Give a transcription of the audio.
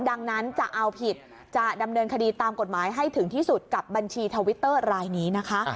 ดังนั้นจะเอาผิดจะดำเนินคดีตามกฎหมายให้ถึงที่สุดกับบัญชีทวิตเตอร์รายนี้นะคะ